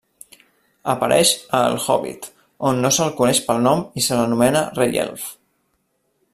Apareix a El Hòbbit, on no se'l coneix pel nom i se l'anomena Rei Elf.